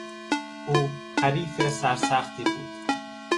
او حریف سرسختی بود.